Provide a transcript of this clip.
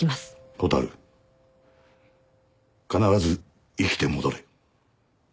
蛍必ず生きて戻れ。